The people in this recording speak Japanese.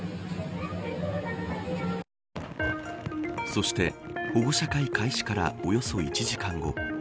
そして保護者会開始からおよそ１時間後。